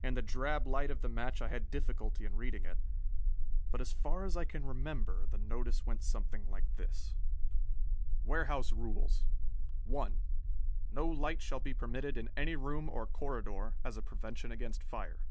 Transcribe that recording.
In the drab light of the match I had difficulty in reading it but, as far as I can remember, the notice went something like this: WAREHOUSE RULES 1. No light shall be permitted in any room or corridor, as a prevention against fire.